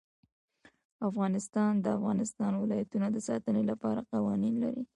افغانستان د د افغانستان ولايتونه د ساتنې لپاره قوانین لري.